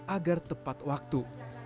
agar tepat waktu